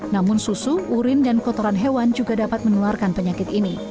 namun susu urin dan kotoran hewan juga dapat menularkan penyakit ini